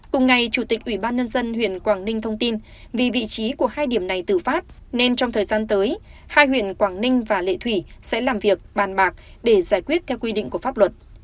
cùng ngày chủ tịch ủy ban nhân dân huyện quảng ninh thông tin vì vị trí của hai điểm này tự phát nên trong thời gian tới hai huyện quảng ninh và lệ thủy sẽ làm việc bàn bạc để giải quyết theo quy định của pháp luật